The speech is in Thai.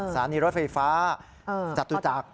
สถานีรถไฟฟ้าจตุจักร